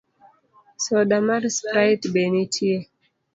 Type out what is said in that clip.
Soda mar sprite be nitie?